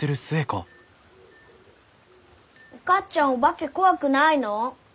お母ちゃんお化け怖くないの？